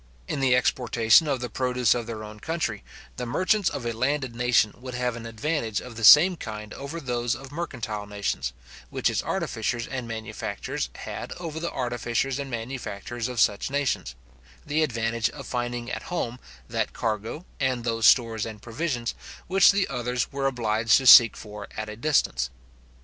In the exportation of the produce of their own country, the merchants of a landed nation would have an advantage of the same kind over those of mercantile nations, which its artificers and manufacturers had over the artificers and manufacturers of such nations; the advantage of finding at home that cargo, and those stores and provisions, which the others were obliged to seek for at a distance.